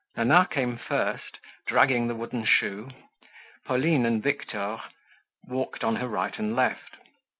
Nana came first dragging the wooden shoe. Pauline and Victor walked on her right and left.